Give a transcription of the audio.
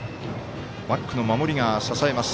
バックの守りが支えます。